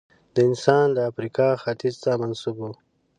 دا انسان د افریقا ختیځ ته منسوب و.